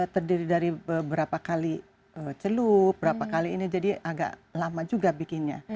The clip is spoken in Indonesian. terdiri dari beberapa kali celup berapa kali ini jadi agak lama juga bikinnya